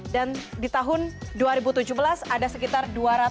dan di tahun dua ribu tujuh belas ada sekitar dua ratus empat puluh lima